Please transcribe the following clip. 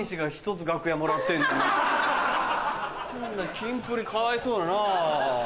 キンプリかわいそうだな。